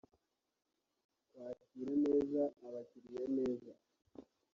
kwakira neza abakiriya neza